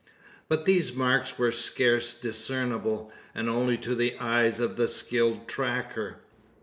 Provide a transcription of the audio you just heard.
But these marks were scarce discernible, and only to the eyes of the skilled tracker.